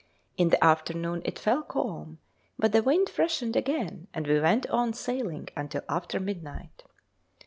In the afternoon it fell calm, but the wind freshened again, and we went on sailing until after midnight.